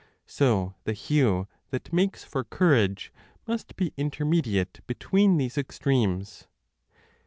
So the hue that makes for courage must be intermediate between these extremes.